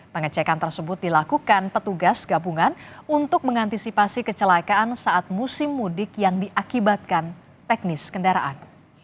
pengecekan tersebut dilakukan petugas gabungan untuk mengantisipasi kecelakaan saat musim mudik yang diakibatkan teknis kendaraan